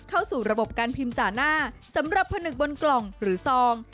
เข้าสู่ระบบการพิมพ์จ่าหน้าสำหรับผนึกบนกล่องหรือซอง